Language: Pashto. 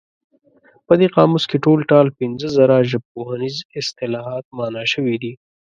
په دې قاموس کې ټول ټال پنځه زره ژبپوهنیز اصطلاحات مانا شوي دي.